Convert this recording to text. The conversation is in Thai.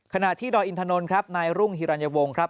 ขณะที่ดอยอินทนนท์ครับนายรุ่งฮิรัญวงครับ